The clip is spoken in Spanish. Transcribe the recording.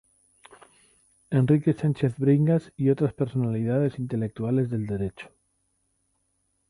Enrique Sánchez Bringas y otras personalidades intelectuales del Derecho.